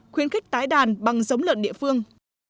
khuyến khích tái đàn bằng giống lợn địa phương